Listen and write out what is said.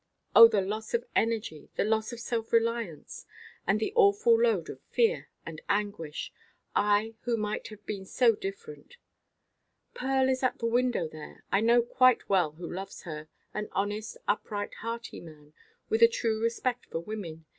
Oh the loss of energy, the loss of self–reliance, and the awful load of fear and anguish—I who might have been so different! Pearl is at the window there. I know quite well who loves her—an honest, upright, hearty man, with a true respect for women.